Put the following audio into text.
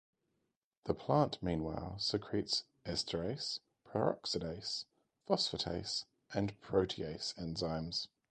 The plant meanwhile secretes esterase, peroxidase, phosphatase and protease enzymes.